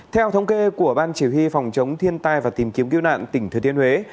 theo thống kê của ban chỉ huy phòng chống thiên tai và tìm kiếm cứu nạn tỉnh thừa thiên huế